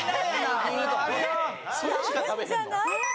あるんじゃない？